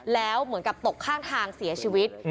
แล้วเหมือนกับตกข้างทางเสียชีวิต